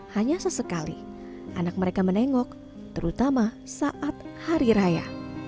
hanya sesekali anak mereka menengok terutama saat hari raya